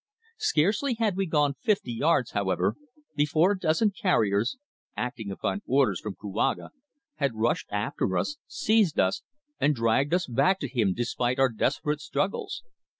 Scarcely had we gone fifty yards, however, before a dozen carriers, acting upon orders from Kouaga, had rushed after us, seized us, and dragged us back to him despite our desperate struggles.